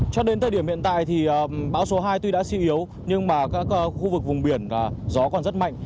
cho đến thời điểm hiện tại thì bão số hai tuy đã suy yếu nhưng mà các khu vực vùng biển gió còn rất mạnh